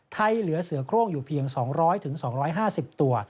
เหลือเสือโครงอยู่เพียง๒๐๐๒๕๐ตัว